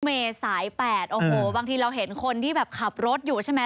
เมษาย๘โอ้โหบางทีเราเห็นคนที่แบบขับรถอยู่ใช่ไหม